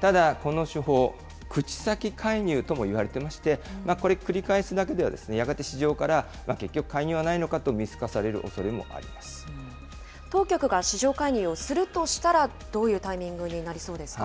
ただ、この手法、口先介入ともいわれていまして、これ繰り返すだけでは、やがて市場から結局介入はないのかと見透かされるおそれ当局が市場介入をするとしたらどういうタイミングになりそうですか？